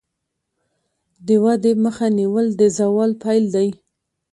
د ودې مخه نیول د زوال پیل دی.